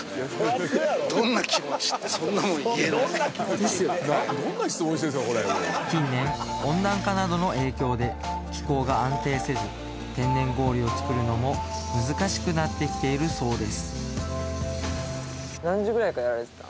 ですよね近年温暖化などの影響で気候が安定せず天然氷を作るのも難しくなってきているそうです